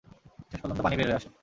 শেষ পর্যন্ত পানি বের হয়ে আসে।